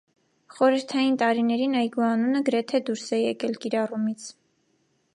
Խորհրդային տարիներին այգու անունը գրեթե դուրս է եկել կիրառումից։